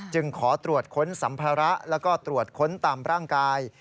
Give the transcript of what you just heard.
ขอตรวจค้นสัมภาระแล้วก็ตรวจค้นตามร่างกาย